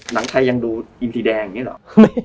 หนังไทยยังดูอีมสีแดงอย่างนี้หรอ